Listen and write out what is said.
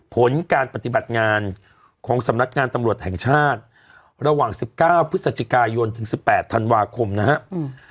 ผลการปฏิบัติงานของสำนักงานตำรวจแห่งชาติระหว่าง๑๙พฤศจิกายนถึง๑๘ธันวาคมนะครับ